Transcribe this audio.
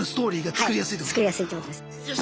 作りやすいってことです。